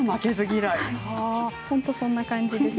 本当にそんな感じです。